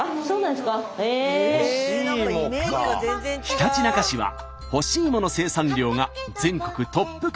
ひたちなか市は干しいもの生産量が全国トップクラス。